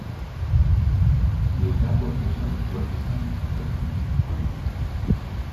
The exact location of his birth is uncertain.